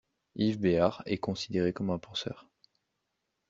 Yves Béhar est considéré comme un penseur.